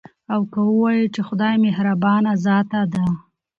او که ووايو، چې خدايه مهربانه ذاته ده